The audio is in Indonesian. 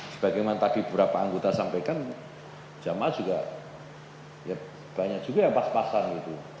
sebagaimana tadi beberapa anggota sampaikan jamaah juga ya banyak juga yang pas pasan gitu